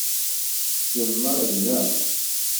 Tessnem Mary, naɣ?